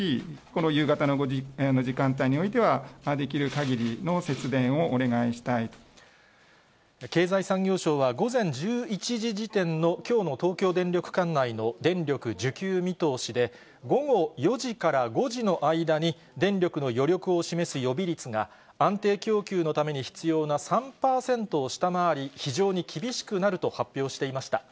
この夕方の時間帯においては、できるかぎりの節電をお願いした経済産業省は、午前１１時時点のきょうの東京電力管内の電力需給見通しで、午後４時から５時の間に、電力の余力を示す予備率が安定供給のために必要な３％を下回り、非常に厳しくなると発表していました。